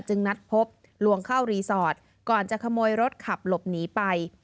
นัดพบลวงเข้ารีสอร์ทก่อนจะขโมยรถขับหลบหนีไป